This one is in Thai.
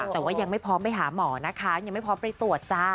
แต่ว่ายังไม่พร้อมไปหาหมอนะคะยังไม่พร้อมไปตรวจจ้า